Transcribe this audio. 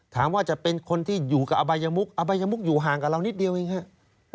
ถามว่าจะเป็นคนที่อยู่กับอบายมุกอบายมุกอยู่ห่างกับเรานิดเดียวเองครับ